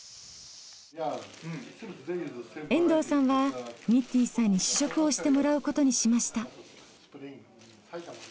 遠藤さんはニッティンさんに試食をしてもらうことにしました。